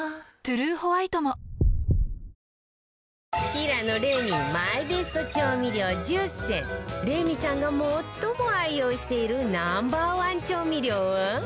平野レミマイベスト調味料１０選レミさんが最も愛用しているＮｏ．１調味料は？